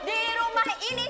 di rumah ini